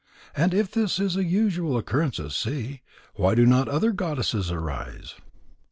And if this is a usual occurrence at sea, why do not other goddesses arise?"